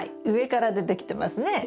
上から出てきてますね。